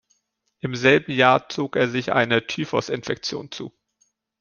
Im selben Jahr zog er sich eine Typhus-Infektion zu.